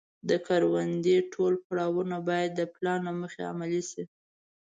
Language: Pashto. د کروندې ټول پړاوونه باید د پلان له مخې عملي شي.